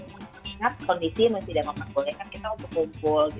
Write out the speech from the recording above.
tapi ingat kondisi masih tidak memperbolehkan kita untuk ngumpul